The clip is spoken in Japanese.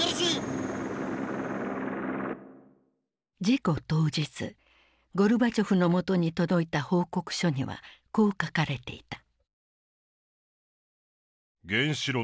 事故当日ゴルバチョフの元に届いた報告書にはこう書かれていた。